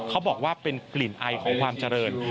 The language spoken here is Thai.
เขาบอกว่าเป็นกลิ่นไอของความเจริญ